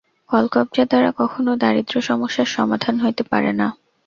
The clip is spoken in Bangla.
কলকব্জা দ্বারা কখনও দারিদ্র্য-সমস্যার সমাধান হইতে পারে না।